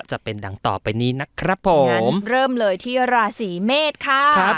จะเป็นดังต่อไปนี้นะครับผมเริ่มเลยที่ราศีเมษค่ะครับ